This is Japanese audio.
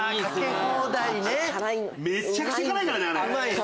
めちゃくちゃ辛いからね。